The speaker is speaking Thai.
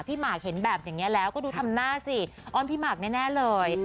หมากเห็นแบบอย่างนี้แล้วก็ดูทำหน้าสิอ้อนพี่หมากแน่เลย